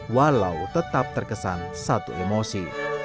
walau tetap terkesan satu emosi